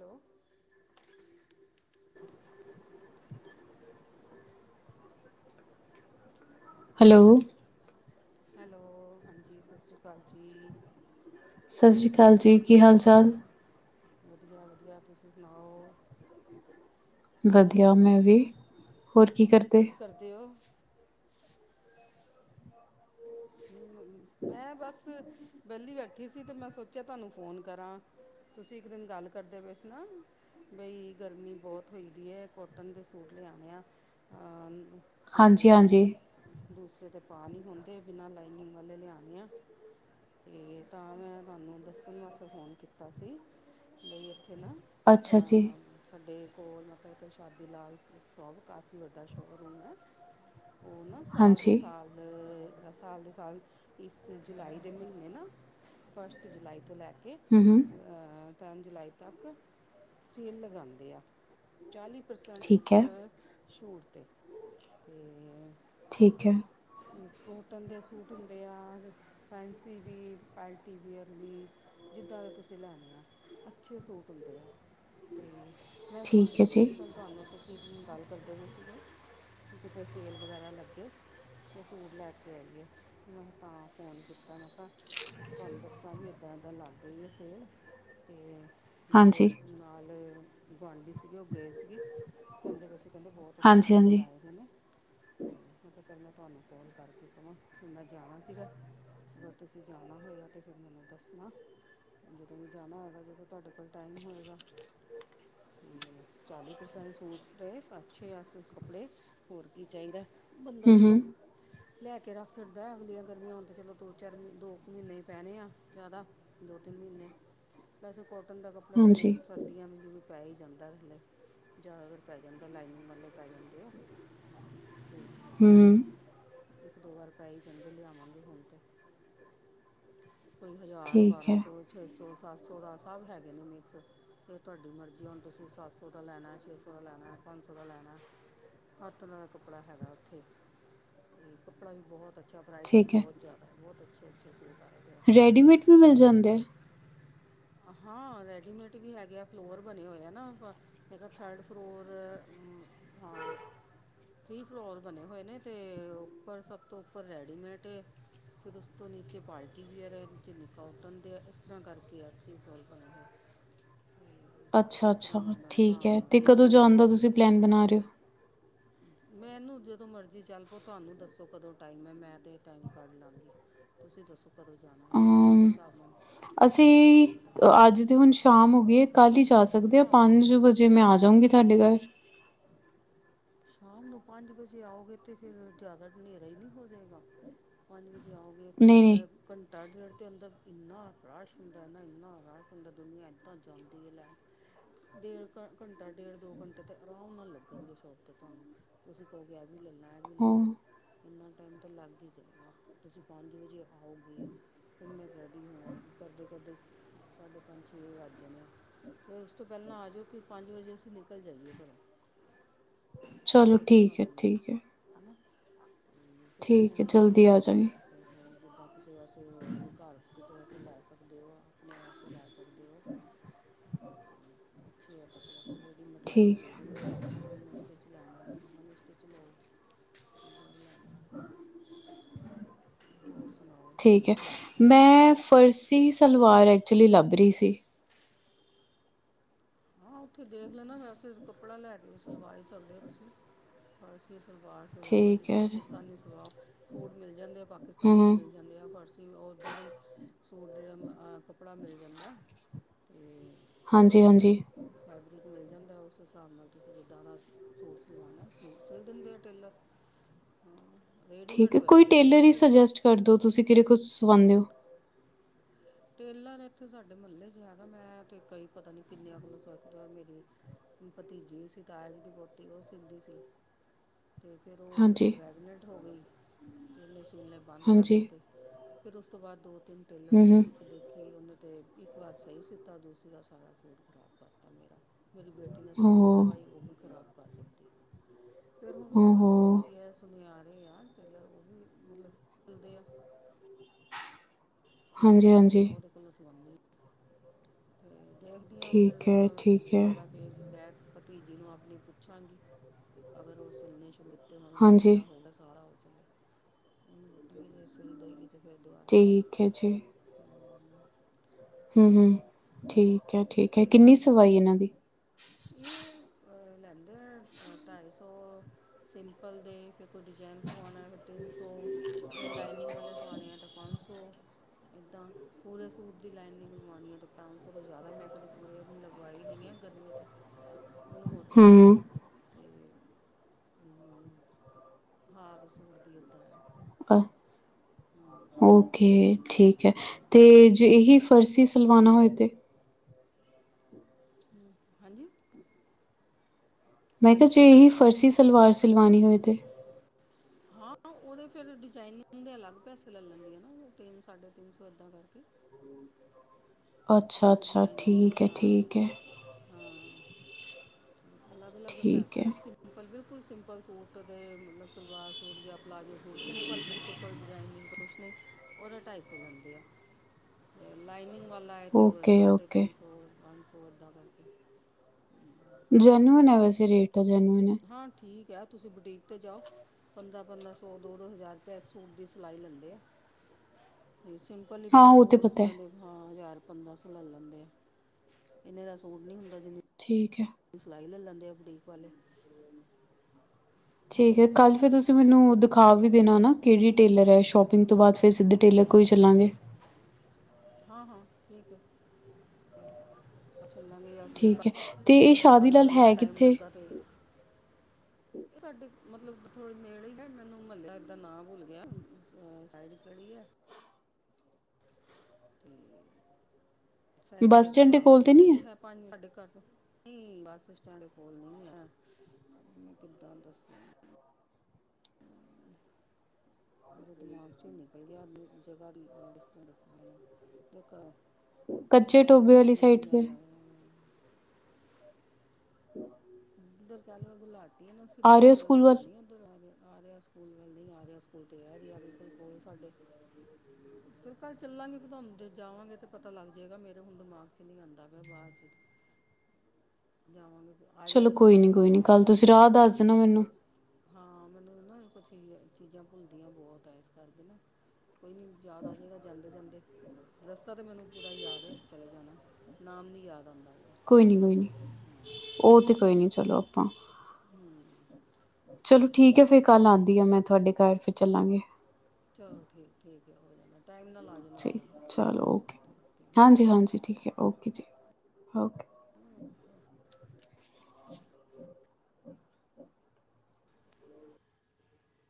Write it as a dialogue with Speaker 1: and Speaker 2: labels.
Speaker 1: Hello.
Speaker 2: [inaudible] Hello.
Speaker 1: Hello! ਹਾਂਜੀ ਸਤਿ ਸ੍ਰੀ ਅਕਾਲ ਜੀ।
Speaker 2: ਸਤਿ ਸ਼੍ਰੀ ਅਕਾਲ ਜੀ। ਕੀ ਹਾਲ ਚਾਲ?
Speaker 1: ਵਧੀਆ-ਵਧੀਆ, ਤੁਸੀ ਸੁਨਾਓ।
Speaker 2: ਵਧੀਆ ਮੈਂ ਵੀ, ਹੋਰ ਕੀ ਕਰਦੇ?
Speaker 1: [unintelligible] ਹੂੰ ਹੂੰ, ਮੈਂ ਬਸ ਵੇਹਲੀ ਬੈਠੀ ਸੀ ਤੇ ਮੈਂ ਸੋਚਿਆ ਤੁਹਾਨੂੰ ਫੋਨ ਕਰਾਂ। ਤੁਸੀ ਇੱਕ ਦਿਨ ਗੱਲ ਕਰਦੇ ਪਏ ਸੀ ਨਾ। ਬਈ ਗਰਮੀ ਬਹੁਤ ਹੋਈ ਦੀ ਹੈ, ਕੋਟਨ ਦੇ ਸੂਟ ਲਿਆਣੇ ਆ ਆਹ, ਹੂੰ। ਤੇ
Speaker 2: ਹਾਂਜੀ-ਹਾਂਜੀ,
Speaker 1: ਦੂਸਰੇ ਦੇ ਪਾ ਨਹੀਂ ਹੁੰਦੇ, ਬਿਨਾਂ ਲਾਈਨਿੰਗ ਵਾਲੇ ਲਿਆਨੇਂ ਆ। ਤੇ ਤਾਂ ਮੈਂ ਤੁਹਾਨੂੰ ਦੱਸਨ ਵਾਸਤੇ ਹੀ ਫੋਨ ਕੀਤਾ ਸੀ। ਬਈ ਇੱਥੇ ਨਾ,
Speaker 2: ਅੱਛਾ ਜੀ,
Speaker 1: ਹਾਂ ਸਾਡੇ ਕੋਲ ਮਤਲਬ ਇੱਥੇ ਸ਼ਾਦੀ ਲਾਯਕ [unintelligible] ਕਾਫੀ ਵੱਡਾ ਸ਼ੋਅਰੂਮ ਹੈ। ਉਹ ਨਾ ਸਾਲ ਦੇ
Speaker 2: ਹਾਂਜੀ,
Speaker 1: ਸਾਲ ਅਸ ਸਾਲ ਦੇ ਸਾਲ ਇਸ ਜੁਲਾਈ ਦੇ ਮਹੀਨੇ ਨਾ ਫਸਟ ਜੁਲਾਈ ਤੋ ਲੈ ਕੇ
Speaker 2: ਹੂੰ - ਹੂੰ।
Speaker 1: ਆਹ ਤਿੰਨ ਜੁਲਾਈ ਤੱਕ ਸਵੀਲ ਲਗਾਂਦੇ ਆ। ਚਾਲੀ ਪਰਸੈਂਟ
Speaker 2: ਠੀਕ ਐ।
Speaker 1: ਤੇ ਛੂਟ ਤੇ, ਤੇ
Speaker 2: ਠੀਕ ਹੈ।
Speaker 1: ਕੋਟਨ ਦੇ ਸੂਟ ਹੁੰਦੇ ਆ। ਫੈਂਸੀ ਵੀ ਪਾਰਟੀ ਵਿਅਰ ਵੀ, ਜਿੱਦਾਂ ਦੇ ਤੁਸੀ ਲੈਣੇ ਆ। ਅੱਛੇ ਸੂਟ ਹੁੰਦੇ ਆ, ਤੇ ਮੈਂ
Speaker 2: ਠੀਕ
Speaker 1: ਸੋਚਦੀ
Speaker 2: ਐ
Speaker 1: ਪਈ
Speaker 2: ਜੀ,
Speaker 1: ਸੀ ਚੱਲ ਤੁਹਾਨੂੰ, ਤੁਸੀ ਗੱਲ ਕਰਦੇ ਪਏ ਸੀਗੇ, ਕਿ ਕਿਤੇ ਸੇਲ ਵਗੈਰਾ ਲੱਗੇ। ਤੇ ਸੂਟ ਲੈ ਕੇ ਆਈਏ, ਮੈਂ ਤੇ ਤਾਂ ਫੋਨ ਕੀਤਾ। ਮੈਂ ਕਿਹਾ ਤੁਹਾਨੂੰ ਦੱਸਾਂ ਵਈ ਏਦਾਂ-ਏਦਾਂ ਲੱਗ ਗਈ ਐ ਸੇਲ ਤੇ ਮੇਰੇ
Speaker 2: ਹਾਂਜੀ,
Speaker 1: ਨਾਲ ਗੁਹਾਂਡੀ ਸੀਗੇ, ਉਹ ਗਏ ਸੀਗੇ। ਕਹਿੰਦੇ ਵੈਸੇ ਤੇ ਕਹਿੰਦੇ ਬਹੁਤ ਅੱਛੇ ਸੂਟ
Speaker 2: ਹਾਂਜੀ-ਹਾਂਜੀ।
Speaker 1: ਆਏ ਦੇ ਨੇ, ਤੇ ਮੈਂ ਕਿਹਾ ਚਲ ਫਿਰ ਮੈਂ ਤੁਹਾਨੂੰ ਕਾਲ ਕਰਕੇ ਕਵਾਂ ਕੀ ਮੈਂ ਜਾਣਾ ਸੀਗਾ। ਅਗਰ ਤੁਸੀਂ ਜਾਨਾ ਹੋਇਆ ਤੇ ਫਿਰ ਮੈਨੂੰ ਦੱਸਣਾ। ਜਦੋ ਵੀ ਜਾਣਾ ਹੋਏਗਾ, ਜਦੋ ਤੁਹਾਡੇ ਕੋਲ ਟਾਈਮ ਹੋਏਗਾ। ਤੇ ਚਾਲੀ ਪ੍ਰਸੈਂਟ ਸੂਟ ਅੱਛੇ [unintelligible] ਕੱਪੜਾ ਹੋਰ ਕੀ ਚਾਹੀਦਾ। ਬੰਦਾ
Speaker 2: ਹੂੰ-ਹੂੰ,
Speaker 1: ਚਲੋ, ਲੈ ਕੇ ਰੱਖ ਸਕਦਾ ਅਗਲੀਆਂ ਗਰਮੀਆਂ ਆਣ ਤੇ ਚਲੋ ਦੋ ਚਾਰ ਮਹੀ ਦੋ ਕੁ ਮਹੀਨੇ ਹੀ ਪੈਣੇ ਆ ਜ਼ਿਆਦਾ। ਦੋ ਤਿੰਨ ਮਹੀਨੇ ਵੈਸੇ ਕੋਟਨ ਦਾ ਕੱਪੜਾ ਤਾਂ
Speaker 2: ਹਾਂਜੀ,
Speaker 1: ਸਰ ਦੀਆਂ ਵਿੱਚ ਵੀ ਪੈ ਜਾਂਦਾ ਜ਼ਿਆਦਾਤਰ ਪੈ ਜਾਂਦਾ ਲਾਈਨਿੰਗ ਵਾਲੇ ਪੈ ਜਾਂਦੇ ਆ। ਹੂੰ,
Speaker 2: ਹੂੰ,
Speaker 1: ਇੱਕ ਦੋ ਵਾਰ ਪੈ ਹੀ ਜਾਣਗੇ ਲਿਆਵਾਂਗੇ ਹੁਣ ਤੇ। ਕੋਈ ਹਜ਼ਾਰ
Speaker 2: ਠੀਕ
Speaker 1: ਬਾਰ੍ਹਾਂ
Speaker 2: ਐ,
Speaker 1: ਸੌ, ਛੇ ਸੌ, ਸੱਤ ਸੌ ਦਾ ਸਭ ਹੈਗੇ ਨੇ ਮਿਕਸ। ਫੇਰ ਤੁਹਾਡੀ ਮਰਜ਼ੀ ਹੁਣ ਤੁਸੀਂ ਸੱਤ ਸੌ ਦਾ ਲੈਣਾ ਛੇ ਸੌ ਦਾ ਲੈਣਾ ਪੰਜ ਸੌ ਦਾ ਲੈਣਾ। ਹਰ ਤਰ੍ਹਾਂ ਦਾ ਕੱਪੜਾ ਹੈਗਾ ਉੱਥੇ। ਤੇ ਕੱਪੜਾ ਵੀ ਬਹੁਤ ਅੱਛਾ ਵਰਾਇਟੀ
Speaker 2: ਠੀਕ ਐ।
Speaker 1: ਬਹੁਤ ਜ਼ਿਆਦਾ ਬਹੁਤ ਅੱਛੇ ਅੱਛ ਸੂਟ ਆ ਰਹੇ। ਆ
Speaker 2: ਰੈਡੀਮੇਡ ਵੀ ਮਿਲ ਜਾਂਦੇ।
Speaker 1: ਹਾਂ, ਰੈਡੀਮੇਟ ਵੀ ਹੈਗੇ ਆ ਫਲੋਰ ਬਣੇ ਹੋਏ ਆ ਨਾ। ਹੈਗਾ ਥਰਡ ਫਲੋਰ ਹਾਂ ਥੀ ਫਲੋਰ ਬਣੇ ਹੋਏ ਨੇ। ਤੇ ਉੱਪਰ ਸਭ ਤੋਂ ਉੱਪਰ ਰੈਡੀਮੇਟ ਏ। ਫਿਰ ਉਸ ਤੋਂ ਨੀਚੇ ਪਾਰਟੀ ਵੀਅਰ ਨੀਚੇ ਕੋਟਨ ਦੇ ਐ ਇਸ ਤਰ੍ਹਾਂ ਕਰਕੇ ਆ ਥਰੀ ਟੋਲ ਬਣੇ ਹੋਏ। [inaudible]
Speaker 2: ਅੱਛਾ
Speaker 1: ਇਸ
Speaker 2: ਅੱਛਾ,
Speaker 1: ਤਰ੍ਹਾਂ ਮਤਲਬ
Speaker 2: ਠੀਕ ਐ
Speaker 1: ਹਾਂ
Speaker 2: ਤੇ ਕਦੋਂ
Speaker 1: ਰੈਡੀਮੇਡ
Speaker 2: ਜਾਣ ਦਾ ਤੁਸੀਂ ਪਲੈਨ ਬਣਾ ਰਹੇ ਹੋ।
Speaker 1: ਮੈਨੂੰ ਜਦੋਂ ਮਰਜ਼ੀ ਜੀ ਚੱਲ ਪੋ ਤੁਹਾਨੂੰ ਦੱਸੋ ਕਦੋਂ ਟਾਈਮ ਐ ਮੈਂ ਤਾਂ ਟਾਈਮ ਕੱਢ ਲਵਾਂਗੀ ਤੁਸੀਂ ਦੱਸੋ। ਕਦੋਂ ਜਾਣਾ ਫਿਰ ਮੈਂ ਉਸ
Speaker 2: ਅ
Speaker 1: ਹਿਸਾਬ ਨਾਲ ਤੁਸੀਂ
Speaker 2: ਅਸੀਂ
Speaker 1: ਜਦੋਂ ਟਾਈਮ
Speaker 2: ਅੱਜ ਦੀ ਹੁਣ ਸ਼ਾਮ ਹੋ ਗਈ ਐ ਕੱਲ੍ਹ ਹੀ ਜਾ ਸਕਦੇ ਹਾਂ ਪੰਜ ਵਜੇ ਮੈਂ ਆ ਜਾਊਂਗੀ ਤੁਹਾਡੇ ਘਰ।
Speaker 1: ਸ਼ਾਮ ਨੂੰ ਪੰਜ ਵਜੇ ਆਓਗੇ ਤੇ ਫੇਰ ਜ਼ਿਆਦਾ ਹਨੇਰਾ ਹੀ ਨਹੀਂ ਹੋ ਜੇਗਾ। ਪੰਜ ਵਜੇ ਆਉਗੇ ਉੱਥੇ
Speaker 2: ਨਹੀਂ ਨਹੀਂ
Speaker 1: ਘੰਟਾ ਡੇੜ 'ਤੇ ਅੰਦਰ ਇੰਨਾ ਰਸ਼ ਹੁੰਦਾ ਇੰਨਾ ਰਸ਼ ਹੁੰਦਾ ਦੁਨੀਆਂ ਇੱਦਾਂ ਜਾਂਦੀ ਐ ਲੈਣ। ਡੇਢ ਘ ਘੰਟਾ ਡੇਢ ਦੋ ਘੰਟੇ ਤਾਂ ਆਰਾਮ ਨਾਲ ਲੱਗਣਗੇ ਸੋਪ। ਤੁਹਾਨੂੰ ਤੁਸੀਂ ਕਹੋਗੇ ਇਹ ਵੀ ਲੈ ਲਾ ਣਾ ਇਹ ਵੀ ਲੈ ਲਾ
Speaker 2: ਹਾਂ
Speaker 1: ਇੰਨਾ ਟਾਈਮ ਤਾਂ ਲੱਗ ਹੀ ਜਾਏਗਾ। ਤੁਸੀਂ ਪੰਜ ਵਜੇ ਆਓਗੇ। ਫਿਰ ਮੈਂ ਰੈਡੀ ਹੋਵਾਂਗੀ ਕਰਦੇ ਕਰਦੇ ਸਾਢੇ ਪੰਜ ਛੇ ਵੱਜ ਜਾਣੇ ਆ। ਫਿਰ ਉਸ ਤੋਂ ਪਹਿਲਾਂ ਆ ਜਾਓ ਕਿ ਪੰਜ ਵਜੇ ਅਸੀਂ ਨਿਕਲ ਜਾਈਏ ਘਰੋਂ।
Speaker 2: ਚਲੋ ਠੀਕ ਐ ਠੀਕ ਐ।
Speaker 1: ਹਨਾ ਹੂੰ,
Speaker 2: ਠੀਕ ਐ ਜਲਦੀ ਆਜਾਗੀ।
Speaker 1: ਜਿੱਦਾਂ ਕਿਸੇ [unintelligible] ਕਿਸੇ ਵਾਸਤੇ ਲੈ ਸਕਦੇ ਹੋ ਆਪਣੇ ਵਾਸਤੇ ਲੈ ਸਕਦੇ ਹੋ। ਅੱਛੇ ਹੈ ਕੱਪੜਾ [unintelligible] ਲੈਣੇ
Speaker 2: ਠੀਕ ਹੈ
Speaker 1: ਨੇ ਅਨ ਸਟਿਚ ਲਓ [unintelligible] ਹੋਰ ਸੁਣਾਓ?
Speaker 2: ਠੀਕ ਐ ਮੈਂ ਫਰਸੀ ਸਲਵਾਰ ਐਕਚੁਲੀ ਲੱਭ ਰਹੀ ਸੀ।
Speaker 1: ਹਾਂ, ਉੱਥੇ ਦੇਖ ਲੈਣਾ ਵੈਸੇ ਕੱਪੜਾ ਲੈ ਕੇ ਸਲਵਾਰ ਹੀ ਸਕਦੇ ਤੁਸੀਂ। ਫਾਰਸੀ ਸਲਵਾਰ ਸਲਵਾਓ ਜੀ
Speaker 2: ਠੀਕ ਹੈ
Speaker 1: ਪਾਕਿਸਤਾਨੀ ਸਲਾਯੋ। ਸੂਟ ਮਿਲ ਜਾਂਦੇ ਆ ਪਾਕਿਸਤਾਨੀ ਵੀ
Speaker 2: ਹਮ
Speaker 1: ਮਿਲ ਜਾਂਦੇ ਆ ਫਰਸੀ ਉਦਾਂ ਦੇ ਹੀ ਸੂਟ ਜਿਹੜਾ ਕੱਪੜਾ ਮਿਲ ਜਾਂਦਾ ਤੇ
Speaker 2: ਹਾਂਜੀ ਹਾਂਜੀ,
Speaker 1: ਫੈਬਰਿਕ ਮਿਲ ਜਾਂਦਾ ਉਸ ਹਿਸਾਬ ਨਾਲ ਤੁਸੀਂ ਜਿੱਦਾਂ ਦਾ ਸੂਟ ਸਿਲਵਾਣਾ ਸਿਲ ਸਿਲ ਦਿੰਦੇ ਆ ਟੇਲਰ। [inaudible]
Speaker 2: ਠੀਕ
Speaker 1: ਰੇਡੀਮੇਡ
Speaker 2: ਐ, ਕੋਈ
Speaker 1: ਹੋਏਗਾ
Speaker 2: ਟੇਲਰ
Speaker 1: ਰੇਡੀਮੇਡ
Speaker 2: ਹੀ
Speaker 1: ਲੈ ਲੈਣਾ
Speaker 2: ਸੁਜੈਸਟ ਕਰ ਦੋ ਤੁਸੀਂ ਕਿਹੜੇ ਕੋਲ ਸਿਵਾਂਦੇ ਹੋ।
Speaker 1: ਟੇਲਰ ਇੱਥੇ ਸਾਡੇ ਮਹੱਲੇ ਚ ਹੈਗਾ ਮੈਂ ਤੇ ਕਈ ਪਤਾ ਨੀ ਕਿੰਨੇ [unintelligible] ਭਤੀਜੀ ਸੀ ਤਾਜ ਦੀ ਪੋਤੀ ਉਹ ਸਿੰਦੀ ਸੀ। ਤੇ ਫਿਰ ਉਹ ਵਿੱਚ
Speaker 2: ਹਾਂਜੀ
Speaker 1: ਪ੍ਰੈਗਨੈਂਟ ਹੋ ਗਈ ਤੇ ਓਹਨੇ ਸੀਨੇ ਬੰਦ ਕਰ
Speaker 2: ਹਾਂਜੀ
Speaker 1: ਦਿੱਤੇ। ਫਿਰ ਉਸ ਤੋਂ ਬਾਅ ਦੋ ਤਿੰਨ ਟੇਲਰ
Speaker 2: ਹਮ
Speaker 1: ਫੇ
Speaker 2: ਹਮ
Speaker 1: ਦੇਖੀ ਉਹਨੇ ਤੇ ਇੱਕ ਵਾਰ ਸਹੀ ਸੀਤਾ ਦੂਸਰੀ ਵਾਰ ਸਾਰਾ ਸੂਟ ਖ਼ਰਾਬ ਕਰਤਾ ਮੇਰਾ ਮੇਰੀ ਬੇਟੀ ਨੇ ਸਾੜੀ
Speaker 2: ਓਹੋ
Speaker 1: ਸਲਵਾਈ ਉਹ ਵੀ ਖਰਾਬ ਕਰ ਦਿੱਤੀ। ਫਿਰ ਹੁਣ ਸਾਡੇ
Speaker 2: ਓਹੋ
Speaker 1: ਕੋਲ ਈ ਐ ਹਲਸੁਨਿਆਰੇ ਆ ਟੇਲਰ ਉਹ ਵੀ [unintelligible] ਠੀਕ
Speaker 2: ਹਾਂਜੀ
Speaker 1: ਸਿੰਦੇ
Speaker 2: ਹਾਂਜੀ
Speaker 1: ਆ ਉਹਦੇ ਕੋਲ ਸਮੌਣੀ ਆ। ਤੇ ਦੇਖਦੀ ਹਾਂ ਫਿਰ
Speaker 2: ਠੀਕ ਹੈ ਠੀਕ ਹੈ
Speaker 1: ਬਾਰਾਂ, ਫਿਰ ਮੈਂ ਭਤੀਜੀ ਨੂੰ ਆਪਣੀ ਪੁੱਛਾਂਗੀ ਅਗਰ ਉਹ ਸਿਲਣੇ ਸ਼ੁਰੂ [unintelligible]
Speaker 2: ਹਾਂਜੀ
Speaker 1: ਹੋ ਗਿਆ ਸਾਰਾ ਹੋ ਚੱਲੇ ਉਹਨੂੰ ਪੁੱਛਾਗੀ ਜੇ ਸਿੱਲ ਦੇਗੀ ਤੇ ਫਿਰ। ਦੁਬਾਰਾ
Speaker 2: ਠੀਕ ਹੈ ਜੀ।
Speaker 1: ਹਮ
Speaker 2: ਹੂੰ ਹੂੰ, ਠੀਕ ਐ ਠੀਕ। ਹੈ ਕਿੰਨੀ
Speaker 1: ਤਸੀ
Speaker 2: ਸਵਾਈ ਇਹਨਾਂ ਦੀ
Speaker 1: ਇਹ ਅਹ ਲੈਂਦੇ ਆ ਅ ਢਾਈ ਸੌ ਸਿੰਪਲ ਦੇ ਫਿਰ ਕੋਈ ਡਿਜ਼ਾਇਨ ਪਵਾਣਾ ਫਿਰ ਤਿੰਨ ਸੌ ਫੇਰ ਲਾਈਨਿੰਗ ਵਾਲੇ ਸਵਾਣੇ ਆ ਤਾਂ ਪੰਜ ਸੌ ਏਦਾਂ ਪੂਰੇ ਸੂਟ ਦੀ ਲਾਈਨਿੰਗ ਲਵਾਣੀ ਐ ਤੇ ਪੰਜ ਸੌ ਤੋਂ ਜ਼ਿਆਦਾ ਮੈਂ ਕਦੇ ਪੂਰੇ ਲਗਵਾਈ ਨਹੀਂ ਐ ਗਰਮੀ 'ਚ ਮੈਨੂੰ ਹੋਰ ਤਰ੍ਹਾਂ
Speaker 2: ਹੂੰ
Speaker 1: ਲੱਗਦਾ। ਤੇ ਹੂੰ, ਸੂਟ ਦੀ ਇੱਦਾਂ। ਹਮ,
Speaker 2: ਓਕੇ ਠੀਕ ਐ
Speaker 1: ਹਾਂ
Speaker 2: ਤੇ ਜੇ ਇਹੀ ਫਰਸੀ ਸਿਲਵਾਨਾ ਹੋਏ ਤੇ।
Speaker 1: ਹਾਂਜੀ,
Speaker 2: ਮੈਂ ਕਿਹਾ
Speaker 1: ਹਾਂਜੀ
Speaker 2: ਜੇ ਇਹੀ ਫਰਸੀ ਸਲਵਾਰ ਸਿਲਵਉਣੀ ਹੋਏ ਤੇ।
Speaker 1: ਹਾਂ, ਉਹਦੇ ਫਿਰ ਡਿਜ਼ਾਇਨਿੰ ਦੇ ਅਲੱਗ ਪੈਸੇ ਲੈ ਲੈਂਦੀ ਐ ਨਾ ਉਹ ਤਿੰਨ ਸਾਢੇ ਤਿੰਨ ਸੌ ਇੱਦਾਂ ਕਰਕੇ।
Speaker 2: ਅੱਛਾ ਅੱਛਾ
Speaker 1: ਡਿਜ਼ਾਇਨਿੰਗ ਦੇ
Speaker 2: ਠੀਕ ਐ
Speaker 1: ਹਾਂ
Speaker 2: ਠੀਕ ਐ।
Speaker 1: ਹਾਂ ਅਲੱਗ ਅਲੱਗ
Speaker 2: ਠੀਕ
Speaker 1: ਪੈਸੇ
Speaker 2: ਹੈ
Speaker 1: ਸ ਸਿੰਪਲ ਬਿਲਕੁਲ ਸਿੰਪਲ ਸੂਟ ਦੇ ਮਤਲਬ ਸਲਵਾਰ ਸੂਟ ਜਾਂ ਪਲਾਜੋ ਸੂਟ ਸਿੰਪਲ ਬਿਲਕੁਲ ਕੋਈ [unintelligible] [unintelligible] ਔਰ ਉਹ ਢਾਈ ਸੌ ਲੈਂਦੇ ਆ ਲਾਈਨਿੰਗ ਵਾਲਾ ਹੈ ਤੇ ਉਹ
Speaker 2: ਓਕੇ
Speaker 1: ਸਾਢੇ
Speaker 2: ਓਕੇ
Speaker 1: ਤਿੰਨ ਸੌ ਪੰਜ ਸੌ ਏਦਾਂ ਕਰਕੇ।
Speaker 2: ਜੈਨੂਊਨ ਹੈ ਵੈਸੇ ਰੇਟ ਜੈਨੂਨ ਐ।
Speaker 1: ਹਾਂ ਠੀਕ ਹੈ ਤੁਸੀਂ ਬੁਟੀਕ ਤੇ ਜਾਓ। ਪੰਦਰਾਂ ਪੰਦਰਾਂ ਸੌ ਦੋ ਦੋ ਹਜ਼ਾਰ ਰੁਪਇਆ ਇੱਕ ਸੂਟ ਦੀ ਸਿਲਾਈ ਲੈਂਦੇ ਆ। [unintelligible] ਹਾਂ
Speaker 2: ਹਾਂ ਉਹ ਤੇ ਪਤਾ ਹੈ
Speaker 1: ਹਜ਼ਾਰ ਪੰਦਰਾਂ ਸੌ ਲੈ ਲੈਂਦੇ ਆ ਇਹਨੇ ਦਾ ਸੂਟ ਨੀ ਹੁੰਦਾ ਜਿੰ
Speaker 2: ਠੀਕ ਹੈ।
Speaker 1: ਇੰਨੀ ਸਿਲਾਈ ਲੈ ਲੈਂਦੇ ਆ ਬੁਟੀਕ ਵਾਲੇ।
Speaker 2: ਠੀਕ
Speaker 1: ਹੋਰ
Speaker 2: ਹੈ ਕੱਲ ਫ਼ਿਰ ਤੁਸੀਂ ਤੁਸੀਂ ਮੈਨੂੰ ਦਿਖਾ ਵੀ ਦੇਣਾ ਨਾ ਕਿਹੜੀ ਟੇਲਰ ਹੈ ਸ਼ੋਪਿੰਗ ਤੋਂ ਬਾਅਦ ਫਿਰ ਸਿੱਧੇ ਟੇਲਰ ਕੋ ਹੀ ਚੱਲਾਂਗੇ।
Speaker 1: ਹਾਂ ਹਾਂ ਠੀਕ ਹੈ। ਚੱਲਾਂਗੇ
Speaker 2: ਠੀਕ ਹੈ ਅਤੇ ਇਹ ਸ਼ਾਦੀ ਲਾਲ
Speaker 1: [unintelligible]
Speaker 2: ਹੈ
Speaker 1: ਟਾਈਮ
Speaker 2: ਕਿੱਥੇ
Speaker 1: ਲੱਗਾ ਤੇ। ਇਹ ਸਾਡੇ ਮਤਲਬ ਥੋੜ੍ਹੇ ਨੇੜੇ ਹੈ ਮੈਨੂੰ ਮਹੱਲਿਆ ਦਾ ਨਾਂ ਭੁੱਲ ਗਿਆ, ਸਾਈਡ ਕਿਹੜੀ ਹੈ? ਸਾਈਡ
Speaker 2: ਬੱਸ
Speaker 1: ਦਾ
Speaker 2: ਸਟੈਂਡ ਦੇ
Speaker 1: ਦਿਮਾਗ
Speaker 2: ਕੋਲ ਤੇ ਨੀ
Speaker 1: [unintelligible]
Speaker 2: ਹੈ
Speaker 1: ਪੰਜ ਸਾਡੇ ਘਰ ਤੋਂ ਨਹੀਂ, ਬੱਸ ਸਟੈਂਡ ਕੋਲ ਨੀ ਹੈ। [inaudible] ਮੇਰੇ ਦਿਮਾਗ ਚੋਂ ਹੀ ਨਿਕਲ ਗਿਆ ਜਗ੍ਹਾ
Speaker 2: ਕੱਚੇ ਟੋਬੇ ਵਾਲੀ ਸਾਈਡ ਤੇ
Speaker 1: [unintelligible] [unintelligible]
Speaker 2: [inaudible]
Speaker 1: [unintelligible] ਨਾ
Speaker 2: ਆ
Speaker 1: ਸਿੱਧੀ
Speaker 2: ਰਹੇ ਹੋ
Speaker 1: ਸੜਕ
Speaker 2: ਸਕੂਲ ਵੱਲ
Speaker 1: ਜਾਣੀ ਹੈ। ਆਰਿਯਾ ਸਕੂਲ ਵਾਲ ਨੀ ਆਰਯਾ ਸਕੂਲ ਤੇ ਆ ਰਹਿਆ ਬਿਲਕੁਲ ਕੋਲ ਸਾਡੇ। ਫਿਰ ਕੱਲ ਚੱਲਾਂਗੇ ਤੇ ਤੂਵਾਨੁ ਜਾਵਾਂਗੇ ਤੇ ਪਤਾ ਲੱਗ ਜੇਗਾ ਮੇਰੇ ਹੁਣ ਦਿਮਾਗ 'ਚ ਨਹੀਂ ਆਉਂਦਾ ਪਿਆ ਬਾਅਦ 'ਚ ਜਾਵਾਂਗੇ [unintelligible]
Speaker 2: ਚਲੋ ਕੋਈ
Speaker 1: ਦਿਮਾਗ
Speaker 2: ਨੀ
Speaker 1: 'ਚ ਫਿਰ
Speaker 2: ਕੋਈ ਨੀ
Speaker 1: ਤੁਹਾਨੂੰ
Speaker 2: ਕੱਲ
Speaker 1: ਦੱਸ
Speaker 2: ਤੁਸੀਂ
Speaker 1: ਦਾਂਗੀ
Speaker 2: ਰਾਹ
Speaker 1: ਫਿਰ
Speaker 2: ਦੱਸ ਦੇਣਾ ਮੈਨੂੰ।
Speaker 1: ਹਾਂ ਮੈਨੂੰ ਨਾ ਕੁਛ ਐਹ ਚੀਜ਼ਾਂ ਭੁੱਲਦੀਆਂ ਬਹੁਤ ਹੈ ਇਸ ਕਰਕੇ ਨਾ, ਕੋਈ ਨਹੀਂ ਯਾਦ ਆਜੇਗਾ ਜਾਂਦੇ ਜਾਂਦੇ। ਰਸਤਾ ਤਾਂ ਮੈਨੂੰ ਪੂਰਾ ਯਾਦ ਹੈ, ਚਲੇ ਜਾਣਾ ਨਾਮ ਨਹੀਂ ਯਾਦ ਆਉਂਦਾ ਪ
Speaker 2: ਕੋਈ ਨਹੀਂ ਕੋਈ ਨਹੀਂ ਉਹ ਤੇ ਕੋਈ ਨਹੀਂ ਚਲੋ ਆਪਾਂ ਚਲੋ ਠੀਕ ਹੈ
Speaker 1: ਹੋਰ
Speaker 2: ਫੇਰ ਕੱਲ
Speaker 1: ਸੁਣਾਓ
Speaker 2: ਆਉਂਦੀ ਆ ਮੈਂ ਤੁਹਾਡੇ ਘਰ ਫਿਰ ਚੱਲਾਂਗੇ।
Speaker 1: ਚਲੋ, ਠੀਕ- ਠੀਕ ਹੈ ਹੋ ਜਾਣਾ। ਟਾਈਮ ਨਾਲ ਆ ਜਾਣਾ
Speaker 2: ਠੀਕ,
Speaker 1: ਜਰਾ
Speaker 2: ਚਲੋ ਓਕੇ
Speaker 1: ਠੀਕ ਠੀਕ
Speaker 2: ਹਾਂਜੀ ਹਾਂਜੀ
Speaker 1: ਓਕੇ
Speaker 2: ਠੀਕ ਹੈ ਓਕੇ ਜੀ ਓਕੇ।
Speaker 1: [inaudible]